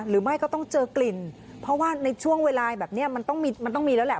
หรือไม่ก็ต้องเจอกลิ่นเพราะว่าในช่วงเวลาแบบนี้มันต้องมีมันต้องมีแล้วแหละ